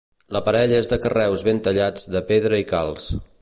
L'aparell és de carreus ben tallats de pedra i calç.